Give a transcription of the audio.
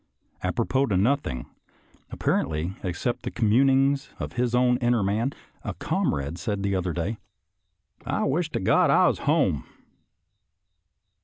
Apropos to nothing, apparently, except the communings of his own inner man, a comrade said the other day, " I wish to God I was at home."